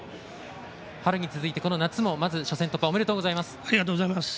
春に続いてこの夏もまず初戦突破ありがとうございます。